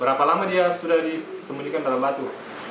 berapa lama dia sudah disembunyikan dalam batu